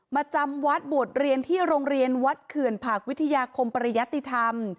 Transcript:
จำวัดบวชเรียนที่โรงเรียนวัดเขื่อนผักวิทยาคมปริยติธรรม